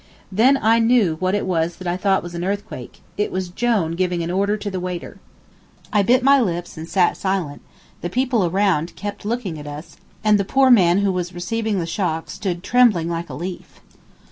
Then I knew what it was that I thought was an earthquake it was Jone giving an order to the waiter. [Illustration: Jone giving an order] I bit my lips and sat silent; the people around kept on looking at us, and the poor man who was receiving the shock stood trembling like a leaf.